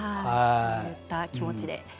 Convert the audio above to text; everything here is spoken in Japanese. そういった気持ちで。